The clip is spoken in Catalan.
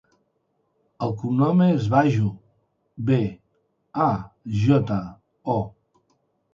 El cognom és Bajo: be, a, jota, o.